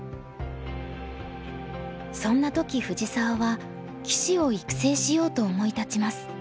そんな時藤澤は棋士を育成しようと思い立ちます。